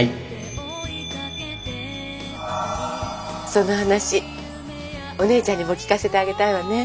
その話お姉ちゃんにも聞かせてあげたいわね。